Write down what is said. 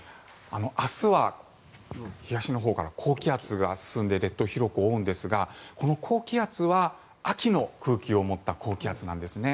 明日は東のほうから高気圧が進んで列島を広く覆うんですがこの高気圧は秋の空気を持った高気圧なんですね。